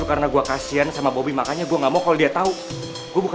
kamu ngajak aku ngedit di cafe